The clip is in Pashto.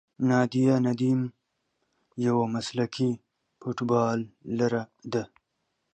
نادیه ندیم یوه مسلکي فوټبالره ده.